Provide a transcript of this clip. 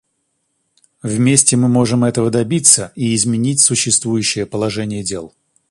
Вместе мы можем этого добиться и изменить существующее положение дел.